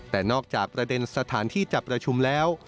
แต่นอกจากประเด็นสถานที่จับประชุมแล้ว